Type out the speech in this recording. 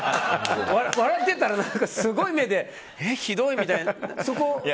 笑ってたらすごい目でえ、ひどいみたいな。